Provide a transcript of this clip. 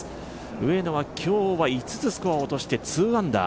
上野は今日５つスコアを落として２アンダー。